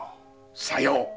さよう。